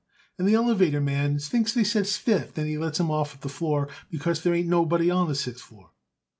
And the elevator man thinks they says 'Fifth,' and he lets 'em off at our floor because there ain't nobody on the sixth floor.